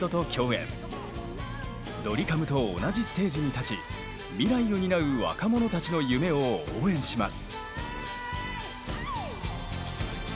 ドリカムと同じステージに立ち未来を担う若者たちの夢を応援します。